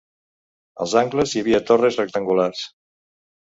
Als angles hi havia torres rectangulars.